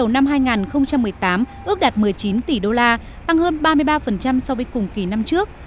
kim ngạch xuất khẩu trong tháng đầu năm hai nghìn một mươi tám ước đạt một mươi chín tỷ usd tăng hơn ba mươi ba so với cùng kỳ năm trước